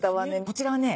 こちらはね